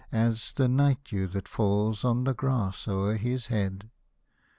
As the night dew that falls on the grass o'er his head.